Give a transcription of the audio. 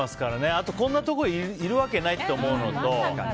あと、こんなとこいるわけないって思うのと。